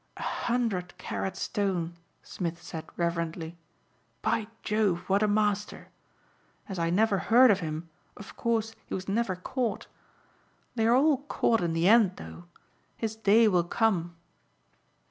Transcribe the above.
"A hundred carat stone," Smith said reverently. "By Jove, what a master! As I never heard of him of course he was never caught. They are all caught in the end, though. His day will come."